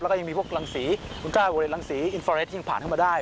แล้วก็ยังมีพวกรังสีคุณก้าบริเวณรังสีอินฟาเรสยังผ่านเข้ามาได้